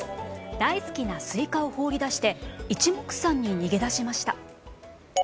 大好きなスイカを放り出して一目散に逃げだしました。